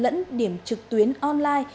lẫn điểm trực tuyến online